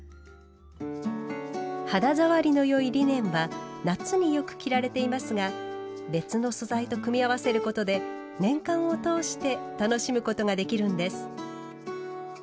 肌触りの良いリネンは夏によく着られていますが別の素材と組み合わせることで年間を通して楽しむことができるんです。